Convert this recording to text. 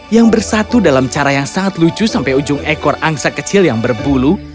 yang bersatu dalam cara yang sangat lucu sampai ujung ekor angsa kecil yang berbulu